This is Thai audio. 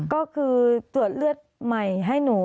ก็คือตรวจเลือดใหม่ให้หนู